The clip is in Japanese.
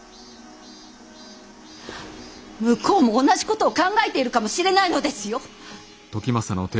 向こうも同じことを考えているかもしれないのですよ。